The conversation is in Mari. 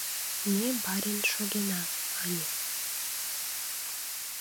— Ме, барин, шогена, — мане.